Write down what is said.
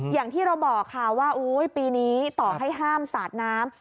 อย่างที่เราบอกค่ะว่าปีนี้ต่อให้ห้ามสาดน้ำ